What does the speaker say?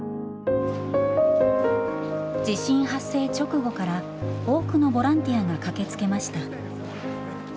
地震発生直後から多くのボランティアが駆けつけました。